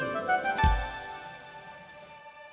nenek ini serem juga ya